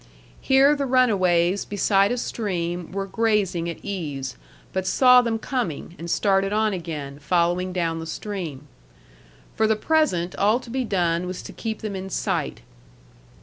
Here the runaways beside a stream were grazing at ease, but saw them coming, and started on again, following down the stream. For the present all to be done was to keep them in sight.